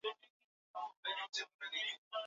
Eamon Gilmore alisema ameelezea wasiwasi wa umoja huo